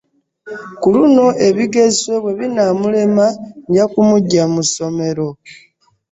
Kuluno ebigezo bwebinamulema nja kumujja mussomero.